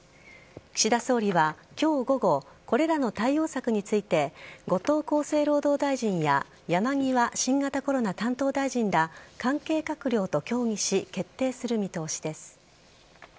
岸田総理は今日午後これらの対応策について後藤厚生労働大臣や山際新型コロナ担当大臣ら関係閣僚と協議し決定する見通しです。